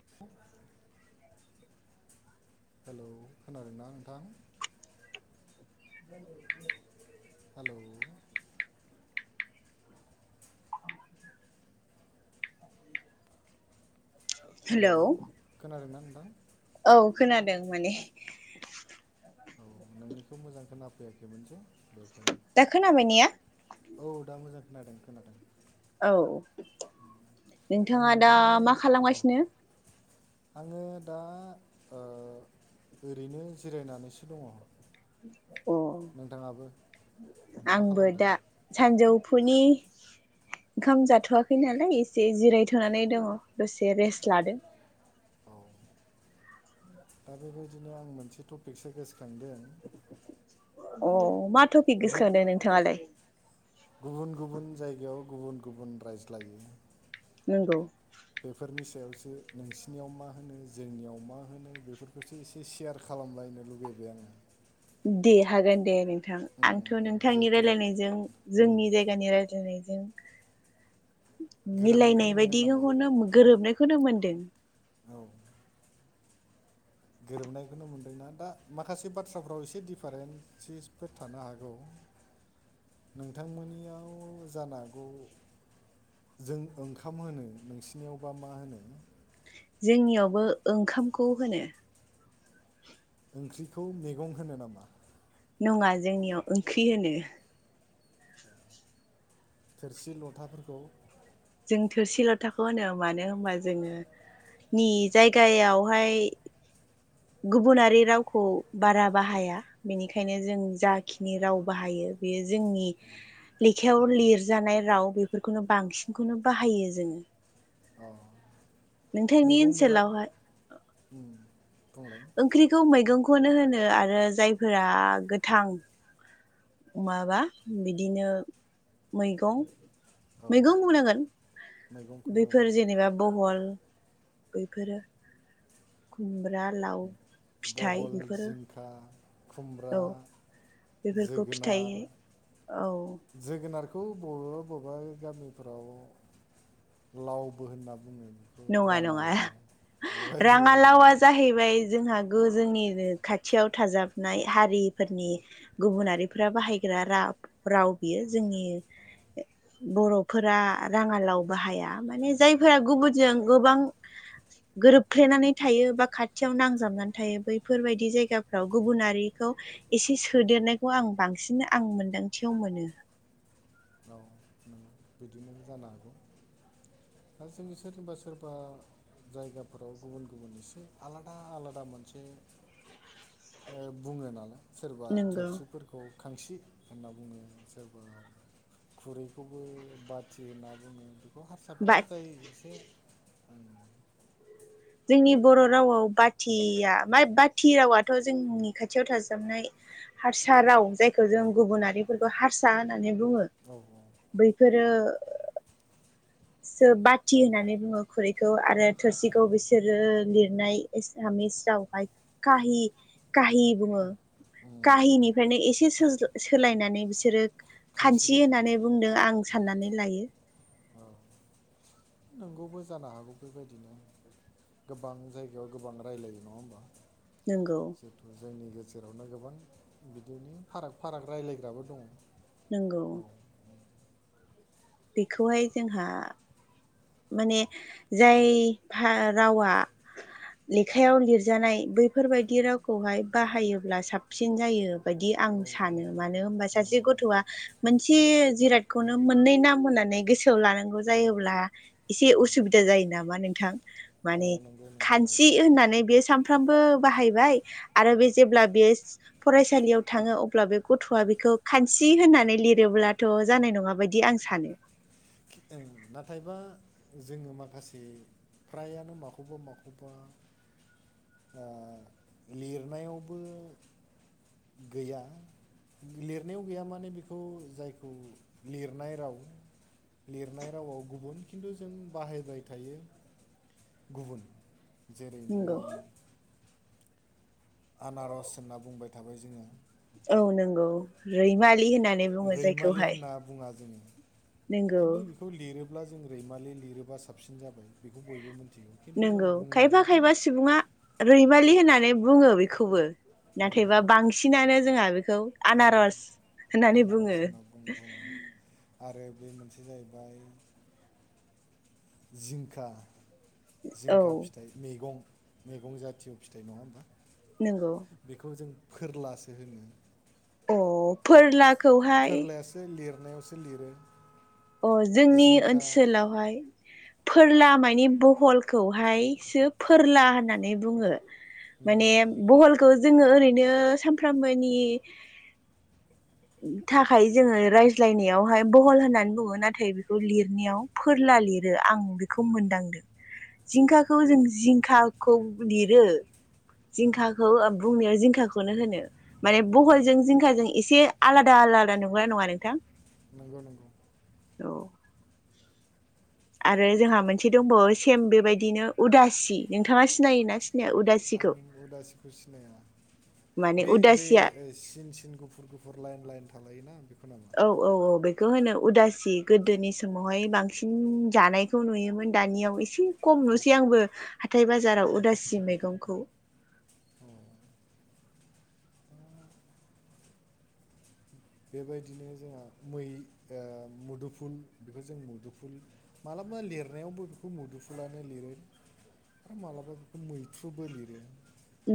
[unintelligible] Hello खोनादों ना नोंथां? [inaudible] हेलौ हेलौ खोनादोंना नोंथां? औ खोनादों माने औ नोंनिखौ मोजां खोनाफैयाखैमोनसै बेखायनो दा खोनाबाय नेया? औ दा मोजां खोनादों खोनादों। औ, आं नोंथाङा दा नोंथांनियाव मा औ खालामगासिनो? आङो दा ओ ओरैनो जिरायनानैसो दङ। अ नोंथाङाबो माबा आंबो खालामदों दा सानजौफुनि ओंखाम जाथ'वाखै नालाय एसे जिरायथ'नानै दङ दसे रेस्ट लादों। औ दा बेबायदिनो आं मोनसे टपिकसो गोसोखांदों अ मा टपिक गुब गोसोखांदो नोंथाङालाय? गुबुन गुबुन जायगायाव गुबुन गुबुन रायज्लायो। नोंगौ। बेफोरनि सायावसो नोंसिनियाव मा होनो जोंनियाव मा होनो बेफोरखौसो ए से सेयार खालामलायनो लुगैबाय आङो। दे हागोन दे नोंथां उम आंथ' नोंथांनि जिहेथु रायलायनायजों जोंनि जायगानि रायज्लायनायजों गोरोबनायखौनो मिलायनाय मोनदों नामा बायदिखौनो गोरोबनायखौनो मोनदों। औ गोरोबनायखौनो मोनदोंना दा माखासे बाथ्राफ्राव एसे दिडिफारेन्सिसफोर थानो हागौ। नोंथांमोननियाव जानो हागौ। जों ओंखाम होनो नोंसिनियावबा मा होनो? जोंनियावबो ओंखामखौ होनो। ओंख्रिखौ मैगं होनो नामा? नङा जोंनियाव ओंख्रि होनो। थोरसि लथाफोरखौ? जों थोरसि लथाखौ होनो मानो होनबा जोंङो नि जायगायावहाय गुबुनारि रावखौ बारा बाहाया। बेनिखायनो जों जाखिनि राव बाहायो बेयो जोंनि लेखायाव लिरजानाय राव बेफोरखौनो बांसिनखौनो बाहायो जोङो। औ नोंथांनि मैगं मेला ओनसोलावहाय उम बुंंलाय? ओंख्रिखौ मैगंखौनो होनो आरो जायफोरा गोथां माबा बिदिनो मैगं औ मैगं बुंनांगोन मैगंखौनो औ बेफोर जेनेबा बहल बैफोरो खुमब्रा लाव फिथाइ बेफोरो खा खुमब्रा औ बेफोरखौ फिथाइ जोगोनार। औ जोगोनारखौ बबेबा बबेबा गामिफ्राव लावबो होनना बुङो। नङा राङा नङा लाव बेबायदिबो राङा बुङो लावा जाहैबाय जोंहा गो- गो जोंनिनो खाथियाव थाजाबनाय हारिफोरनि गुबुनारिफोरा बाहायग्रा रा राव बियो जोंनि बर'फोरा राङालाव बाहाया माने जायफोरा गुबुन जों गोबां गोरोबफ्लेनानै थायो बा खाथियाव नांजाबनानै थायो बैफोरबायदि जायगाफ्राव गुबुनारिखौ एसे सोदेरनायखौ आं बांसिन आं मोन्दांथियाव मोनो। औ उम [unintelligible] बिदिनो जानो हागौ दा जोंनि सोरनिबा सोरबा जायगाफोराव गुबुन गुबुन एसे आलादा आलादा मोनसे बुङो नालाय सोरबा नोंगौ थोरसिफोरखौ खांसि होनना बुङो सोरबा खुरैखौबो बाथि होनना बुङो बेखौ हारसा फोरा बाट जाय एसे उम जोंनि बर' रावाव बाथिया मा बाथि रावाथ' जोंनि खाथियाव थाजाबनाय हारसा राव जायखौ जों गुबुनारिफोरखौ हारसा होननानै बुङो। औ औ बैफोरो ओ बाथि होननानै बुङो खुरैखौ आरो थोरसिखौ बिस लिरनाय असामीस हाय काहि काहि बुङो काहिनिफ्रायनो एसे सोलायनानै बिसोरो खांसि खान्थि जादों होननानै बुंदों आं साननानै लायो। औ नोंगौबो जानो हागौ बेबायदिनो। गोबां जायगायाव गोबां राय्लायो नङा होमबा। नंगौ जितु जोंनि गेजेरावनो गोबां बिदिनो फाराग फाराग रायज्लायग्राबो दङ। नंगौ, औ बेखौहाय जोंहा माने जाय रावा लेखायाव लिरजानाय बैफोरबाया। ददि रावखौहाय बाहायोब्ला साबसिन जायो बायदि आं औ औ सानो मानो होनबा सासे नंगौ नंगौ गथ'आ मोनसे जिरादखौनो मोननै नाम होननानै गोसोआव लानांगौ जायोब्ला एसे उसुबिदा जायो नामा नोंथां। अ माने नंगौ नङा खानसि थारैनो होननानै बेयो सानफ्रामबो बाहायबाय आरो बे जेब्ला बेयो फरायसालियाव थाङो अब्ला बे गथ'आ बेखौ खानसि होननानै लिरोब्लाथ' जानाय नङा बायदि बिदि आं सानो। खि- ओं नाथायबा जोङो माखासे फ्रायानो माखौबा माखौबा लिरनायावबो गैया लिरनायाव गैया माने बेखौ जायखौ लिरनाय राव लिरनाय रावाव गुबुन खिन्थु जों बाहायबाय थायो गुबुन जेरै नोङो नंगौ आनारस होनना बुंबाय थाबाय जोङो औ नंगौ रैमालि होननानै बुङो जायखौ खालि होनना बुङा जोङो नंगौ खिन्थु बेखौ लिरोब्ला जों रैमालि लिरोबा साबसिन जाबाय बेखौ बयबो मिथिगौ खिन्थु जों बुंनायावबो रैबालि होननानै बुङो बेखौबो नाथायबा नंगौ बांसिनानो जोंहा बेखौ आनारस होननानै बुङो आनारस होनना बुं बुङो आरो बे मोनसे जाहैबाय जिंखा औ जिंखा फिथाइ मैगं मैगं जाथियाव फिथाइ नङा होनोमबा नोंगौ बेखौ जों फोरलासो होनो अ फोरला फोरलायासो लिरनायावसो लिरो अ जोंनि जिंखा ओनसोलावहाय फोरला मानि बहलखौहायसो फोरला होननानै बुङो। नंगौ माने नामा बहलखौ जोङो ओरैनो सानफ्रामबोनि थाखाय जोङो रायज्लायनायावहाय बहल होननानै बुङो। नाथाय बेखौ लिरनायाव फोरला लिरो आं बेखौ मोनदांदों। जिंखाखौ जों जिंखाखौनो लिरो जिंखाखौ बुंनायाव जिंखाखौनो होनो। माने बहयजों जिंखाजों एसे आलादा आलादा नंगौना नङा नोंथां? नंगौ नंगौ औ आरो जोंहा मोनसे दंबावो सेम बेबायदिनो उदासि नोंथाङा सिनायोना सिनाया उदासि? आं उदासिखौ सिनाया माने बे -बे उदासिया सिन सिन गुफुर- गुफुर हर लाइन लाइन थालायोना बेखौनो आंगो औ औ औ बेखौ होनो उदासि गोदोनि समावहाय बांसिन जानाय खौ नुयोमोन दानियाव एसे खम नुसै आंबो हाथाय बाजाराव उदासि मैगंखौ बेबायदिनो जोंहा मै ओ मुदुफुल बेखौ जों मुदुफुल मालाबा लिरनायावबो बेखौ मोदुफुलानो लिरो आरो मालाबा बेखौ मैथ्रुबो लिरो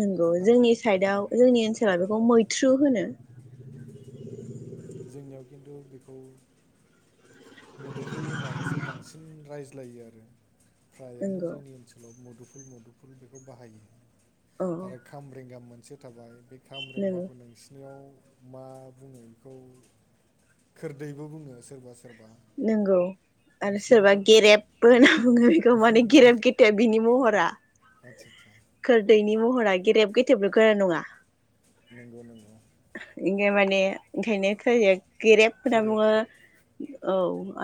नंगौ दा जोंनि साइडआव उम जोंनि ओनसोलाव बेखौ मैथ्रु होनो जोंनियाव खिन्थु बेखौ मुदुफुल होननानैसो बांसिन रायज्लायो आरो फ्रायानो नंगौ जोंनि ओनसोलाव ल मुदुफुल मुदुफुल बेखौ बाहायो औ आरो खामरेंगा मोनसे थाबाय बे खाम रेंगाखौ नोंसिनियाव मा बुङो बेखौ खोरदैबो बुङो सोरबा सोरबा नोंगौ आरो सोरबा नोंसिनियावथ' गेरेबबो होनना बुङो बेखौ माने गेरेब गेथेब बिनि महरा आतसा आतसा खोरदैनि महरा गेेरेब गेथेब नंगौना नङा? नंगौ नंगौ ओंखायमाने ओंखायनो गेरेब होनना खेरेब बुङो औ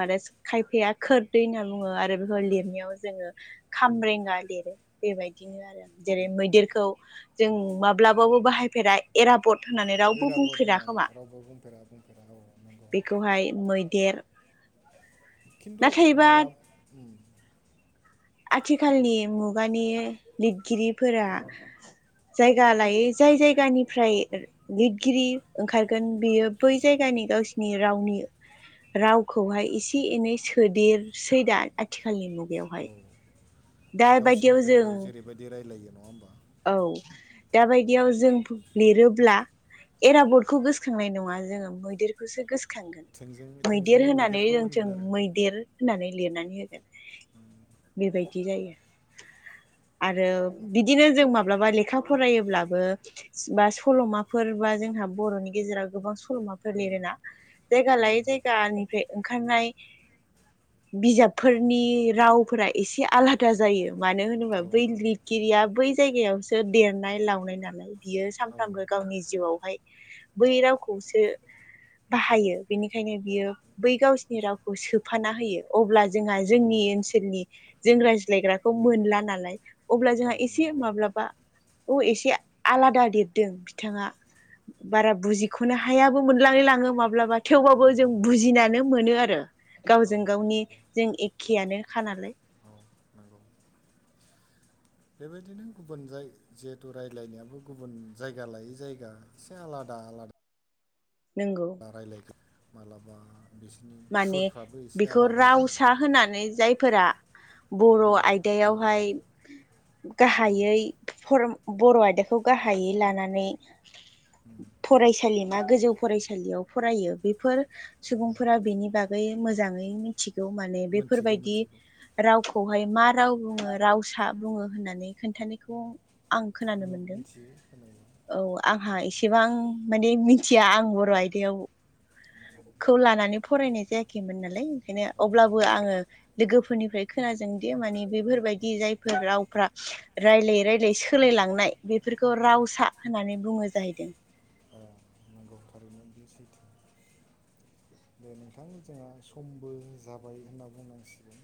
आरो खायफाया खोरदै होनना बुङो आरो बेखौ लिरनायाव जोङो खामरेंगा लिरो। बेबायदिनो आरो जेरै मैदेरखौ जों माब्लाबाबो बाहायफेरा एराबद होननानै रावबो ओइ राबद बुंफेरा होननानै खोमा रावबो बुंफेरा बुंफेरा औ नंगौ दहाय मैदेर खिन्थु नाथायबा मालाब ओ आथिखालनि मुगानि लिरगिरिफोरा जायगा लायै जाय जायगानिफ्राय लिरगिरि ओंखारगोन बेयो बै जायगानि गावसिनि रावनि रावखौहाय एसे एनै सोदेरसै दा आथिखालनि मुग औ गावसिनि जों जायगायाव जेरैबायदि रायलायो नङा होमबा? औ दााबायदियाव जों लिरोब्ला एराबदखौ गोसोखांनाय नङा जोङो मैदेर बेखौसो गोसोखांगोन थोंजों मैदेर थोंजोङै होनानै मैदेरखौ जों जों होनगोन आरो मैदेर होननानै लिरनानै होगोन बेबायदि जायो। आरो बिदिनो जों माब्लाबा लेखा फरायोब्लाबो बा सल'माफोर बा जोंहा बर'नि गेजेराव गोबां सल'माफोर लिरोना जायगा लायै जायगानिफ्राय ओंखारनाय बिजाबफोरनि रावफोरा एसे आलादा जायो। मानो होनोबा बै आलादा लिरगिरिया बै जायगायावसो देरनाय लावनाय नालाय बियो औ सानफ्रामबो गावनि जिउआवहाय बै रावखौसो बाहायो बेनिखायनो बियो बै गावसिरनि रावखौ सोफाना होयो अब्ला जोंहा जोंनि ओनसोलनि जों रायज्लायग्राखौ मोनला नालाय अब्ला औ जोंहा एसे एसे नंगौ माब्लाबा औ एसे आलादा लिरदों बिथाङा बारा बुजिख'नो हायाबो मोनलाय लाङो माब्लाबा थेवबाबो जों नंगौ नंगौ बुजिनानै मोनो आरो औ गावजों गावनि नंगौ जों एखेयानोखा नालाय औ नंगौ बेबायदिनो गुबुन जाय जिहेथु रायज्लायनायाबो गुबुन जायगा लायै जायगा एसे आलादा आलाद नंगौ रायलायगोन मालाबा बिसोरनि माने सुरफ्राबो एसे बेखौ आलादा जायो रावसा होनानै जायफोरा बर' औ औ आयदायावहाय औ गाहायै फरम बर' आयदाखौ गाहायै लानानै उम फरायसालि मा गोजौ फरायसालियाव फरायो बेफोर सुबुं फोरा बेनि बागै मोजाङै मिथिगौ माने मोनथिगौ बेफोरबायदि मोनथिगौ रावखौहाय मा राव बुङो रावसा बुङो होननानै खोनथानायखौ [unintelligible] मोनथियो होननाया औ आंहा एसेबां माने मिथिया आं बर' आयदायाव खौ लानानै फरायनाय जायाखैमोन नालाय ओंखायनो औ अब्लाबो नंगौ आङो लोगोफोरनिफ्राय खोनाजोंदि माने बेफोरबायदि जायफोर रावफ्रा रायलायै रायलायै सोलायलांनाय बेफोरखौ रावसा होननानै बुङो जाहैदों। औ नंगौ थारैनो बेयो सैथो। बिथां जोंहा समबो जाबाय होनना बुंनांसिगोन।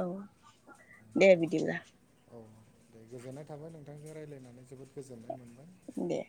औ आं दे दाथ' बिदिब्ला। औ दे गोजोननाय थाबाय नोंथांजों रायज्लायनानै जोबोद गोजोननाय मोनबाय। दे